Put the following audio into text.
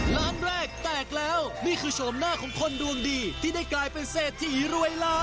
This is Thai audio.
ร้านแรกแตกแล้วนี่คือโฉมหน้าของคนดวงดีที่ได้กลายเป็นเศรษฐีรวยล้าน